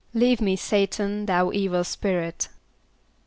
="Leave me, S[=a]´tan, thou evil spirit."